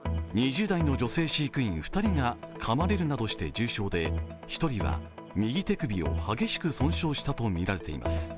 ２０代の女性飼育員２人がかまれるなどして重傷で１人は右手首を激しく損傷したとみられています。